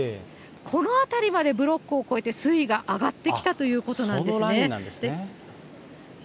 この辺りまでブロックを越えて水位が上がってきたということなんそのラインなんですね。